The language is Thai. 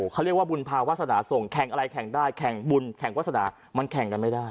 เขาเรียกว่าบุญภาวาสนาส่งแข่งอะไรแข่งได้แข่งบุญแข่งวาสนามันแข่งกันไม่ได้